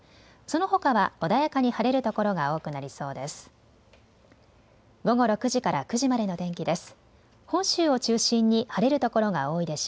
そのほかは穏やかに晴れる所が多くなりそうです。